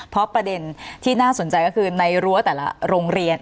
เพราะประเด็นที่น่าสนใจก็คือในรั้วแต่ละโรงเรียน